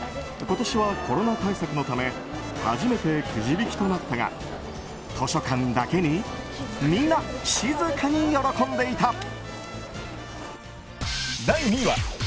今年は、コロナ対策のため初めてくじ引きとなったが図書館だけにみんな静かに喜んでいた。